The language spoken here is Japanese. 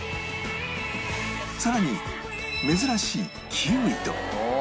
さらに珍しいキウイと